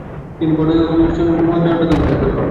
তিনি ব্রডওয়ের Wings Over Europe মঞ্চনাটকে অভিনয় করেন।